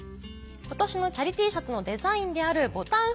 今年のチャリＴシャツのデザインである。